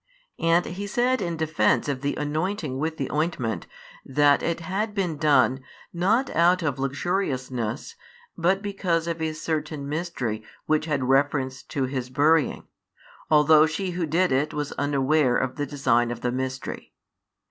And He said in defence of the anointing with the ointment, that it had been done, not out of luxu riousness, but because of a certain mystery which had reference to His burying; although she who did it was unaware of the design of the mystery.